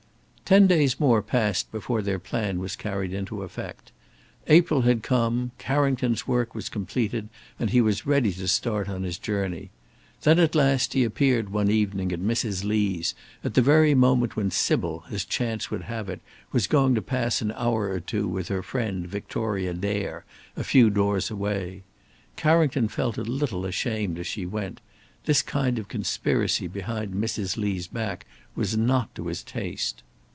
Ten days more passed before their plan was carried into effect. April had come. Carrington's work was completed and he was ready to start on his journey. Then at last he appeared one evening at Mrs. Lee's at the very moment when Sybil, as chance would have it, was going out to pass an hour or two with her friend Victoria Dare a few doors away. Carrington felt a little ashamed as she went. This kind of conspiracy behind Mrs. Lee's back was not to his taste.